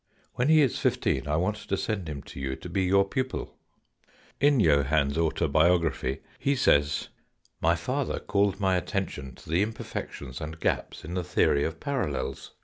When he is fifteen I want to send him to you to be your pupil." In Johann's autobiography he says :" My father called my attention to the imperfections and gaps in the theory of parallels.